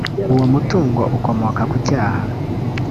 uwo mutungo ukomoka ku cyaha